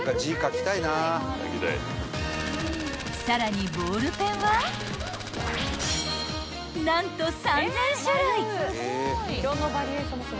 ［さらにボールペンは何と］